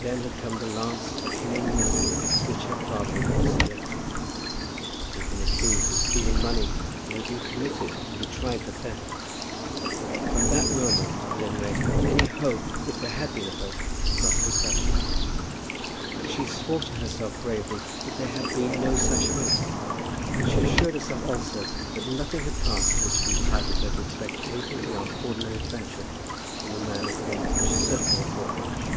Then had come the last killing misery to which her father had been subjected. He had been accused of stealing money, and had been committed to be tried for the theft. From that moment, at any rate, any hope, if there had been a hope, must be crushed. But she swore to herself bravely that there had been no such hope. And she assured herself also that nothing had passed which had entitled her to expect anything beyond ordinary friendship from the man of whom she certainly had thought much.